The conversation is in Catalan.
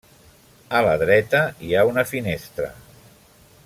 A la dreta hi ha una finestra.